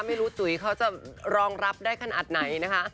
ไม่รู้จุ๋ยเขาจะรองรับได้ขนาดไหนนะคะ